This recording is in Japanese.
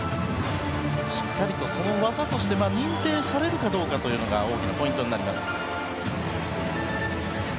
しっかりと、その技として認定されるかどうかが大きなポイントになります。